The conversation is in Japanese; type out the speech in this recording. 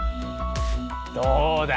どうだ？